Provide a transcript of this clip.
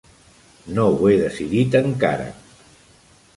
No ho he decidit encara.